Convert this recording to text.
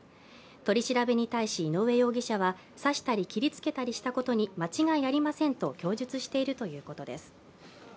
取り調べに対し井上容疑者は刺したり切りつけたりしたことに間違いありませんと供述しているということです。